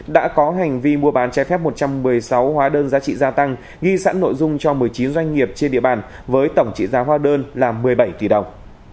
đã có hành vi mua bán trái phép một trăm một mươi sáu hóa đơn giá trị gia tăng ghi sẵn nội dung cho một mươi chín doanh nghiệp trên địa bàn với tổng trị giá hoa đơn là một mươi bảy tỷ đồng